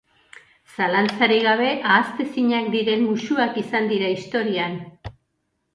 Zalantzarik gabe, ahaztezinak diren musuak izan dira historian.